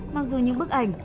mặc dù những bức ảnh